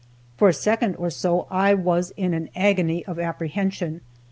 For a second or so I was in an agony of apprehension.